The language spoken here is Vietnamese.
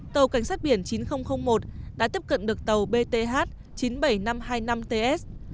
tàu cảnh sát biển chín nghìn một đã tiếp cận được tàu bth chín mươi bảy nghìn năm trăm hai mươi năm ts